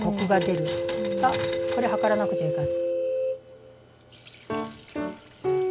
あっこれ量らなくちゃいかん。